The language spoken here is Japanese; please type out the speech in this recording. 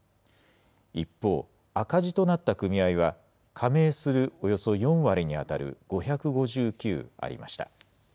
一方、赤字となった組合は、加盟するおよそ４割に当たる５５９ありました。